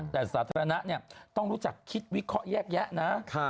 แต่สาธารณะต้องรู้จักคิดวิเคราะห์แยกแยะนะ